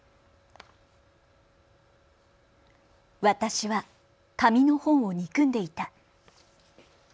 私は紙の本を憎んでいた。